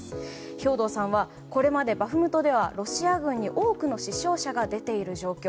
兵頭さんはこれまでバフムトではロシア軍に多くの死傷者が出ている状況。